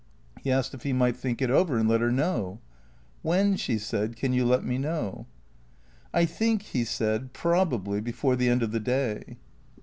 He asked if he might think it over and let her know. " When," she said, " can you let me know ?"" I think," he said, " probably, before the end of the day."